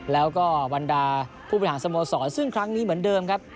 แล้วก็บรรดาผู้บริหารสโมสรซึ่งครั้งนี้เหมือนเดิมครับ